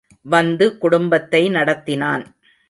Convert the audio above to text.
வந்து குடும்பத்தை நடத்தினான்.